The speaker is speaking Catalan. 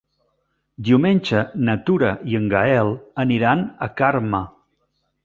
Diumenge na Tura i en Gaël aniran a Carme.